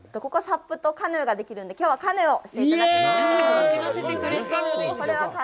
ここ、サップとカヌーができるので、きょうはカヌーを。